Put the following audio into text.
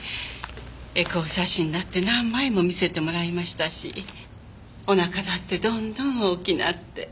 エコー写真だって何枚も見せてもらいましたしお腹だってどんどん大きなって。